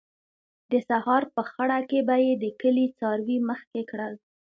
د سهار په خړه کې به یې د کلي څاروي مخکې کړل.